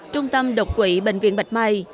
trung tâm độc quỷ bệnh viện bạch mai